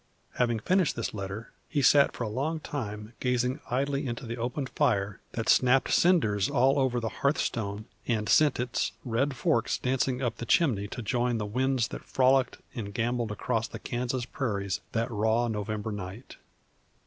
Having finished this letter, he sat for a long time gazing idly into the open fire that snapped cinders all over the hearthstone and sent its red forks dancing up the chimney to join the winds that frolicked and gambolled across the Kansas prairies that raw November night.